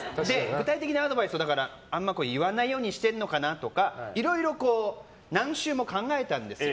具体的なアドバイスをあんま言わないようにしてるのかなとかいろいろ何周も考えたんですよ。